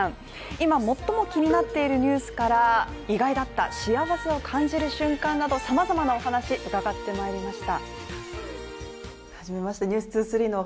今最も気になっているニュースから意外だった幸せを感じる瞬間など様々なお話を伺ってまいりました。